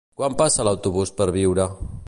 Quan passa l'autobús per Biure?